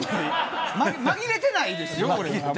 まぎれてないですよね。